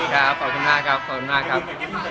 ขอบคุณมากครับขอบคุณมากครับ